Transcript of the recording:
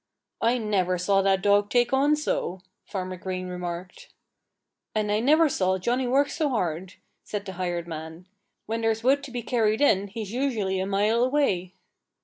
"I never saw that dog take on so," Farmer Green remarked. "And I never saw Johnnie work so hard," said the hired man. "When there's wood to be carried in he's usually a mile away."